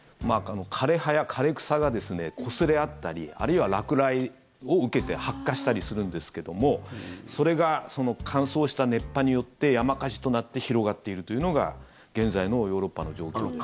枯れ葉や枯れ草がこすれ合ったりあるいは落雷を受けて発火したりするんですけどもそれが乾燥した熱波によって山火事となって広がっているというのが現在のヨーロッパの状況です。